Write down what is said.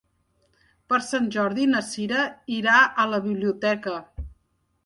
Per Sant Jordi na Cira irà a la biblioteca.